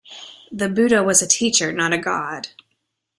The Buddha was a teacher, not a god.